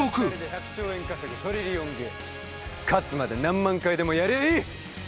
１００兆円稼ぐトリリオンゲーム勝つまで何万回でもやりゃあいい！